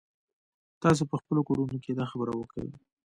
تاسو په خپلو کورونو کښې دا خبره وکئ.